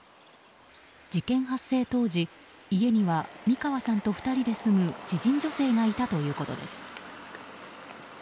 事件発生当時、家には三川さんと２人で住む知人女性がいたということです。